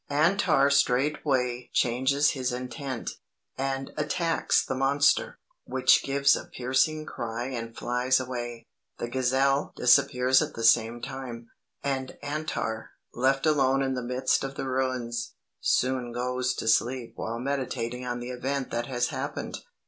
"Antar straightway changes his intent, and attacks the monster, which gives a piercing cry and flies away. The gazelle disappears at the same time, and Antar, left alone in the midst of the ruins, soon goes to sleep while meditating on the event that has happened.